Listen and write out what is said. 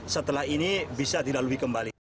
setelah ini bisa dilalui kembali